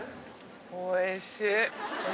おいしい。